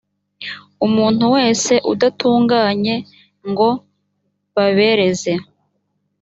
umuntu wese udatunganye ngo babereze